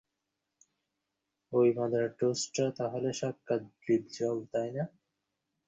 ওই মাদারটোস্টটা তাহলে সাক্ষাত ডিপজল, তাই না?